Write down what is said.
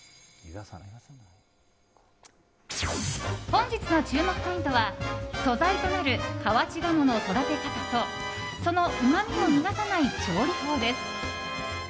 本日の注目ポイントは素材となる河内鴨の育て方とそのうまみを逃がさない調理法です。